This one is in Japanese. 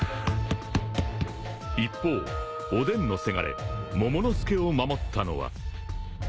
［一方おでんのせがれモモの助を守ったのは］